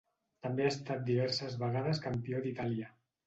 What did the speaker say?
També ha estat diverses vegades Campió d'Itàlia.